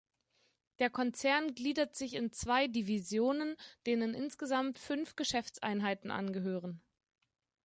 Der Konzern gliedert sich in zwei "Divisionen" denen insgesamt fünf "Geschäftseinheiten" angehören.